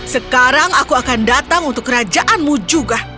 sekarang aku akan datang untuk kerajaanmu juga